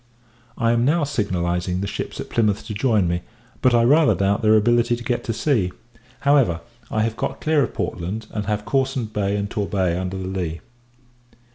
I am now signalizing the ships at Plymouth to join me; but, I rather doubt their ability to get to sea. However, I have got clear of Portland, and have Cawsand Bay and Torbay under the lee.